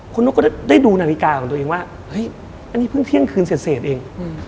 คุณนุ๊กก็ได้ดูนาฬิกาของตัวเองว่าเฮ้ยอันนี้เพิ่งเที่ยงคืนเสร็จเอง